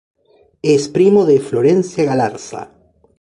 Es primo de Florencia Galarza.